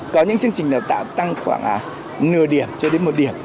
có những chương trình đào tạo tăng khoảng năm cho đến một điểm